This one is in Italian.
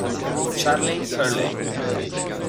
Charlie Hurley